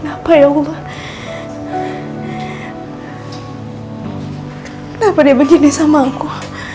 ya allah masalah kenapa dia begini sama aku